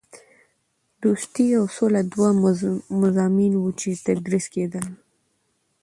دوستي او سوله دوه مضامین وو چې تدریس کېدل.